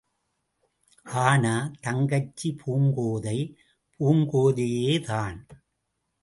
ஆனா, தங்கச்சி பூங்கோதை, பூங்கோதையேதான்!